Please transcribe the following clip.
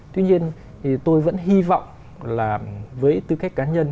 tuy nhiên thì tôi vẫn hy vọng là với tư cách cá nhân